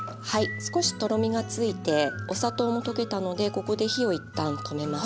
少しとろみがついてお砂糖も溶けたのでここで火を一旦止めます。